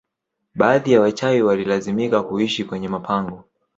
Baadhi ya wachawi walilazimika kuishi kwenye mapango